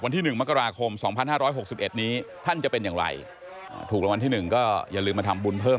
วันที่๑มกราคม๒๕๖๑นี้ท่านจะเป็นอย่างไรถูกรางวัลที่๑ก็อย่าลืมมาทำบุญเพิ่ม